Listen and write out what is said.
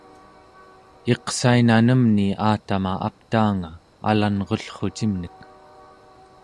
iqsainanemni aatama aptaanga alangrullrucimnek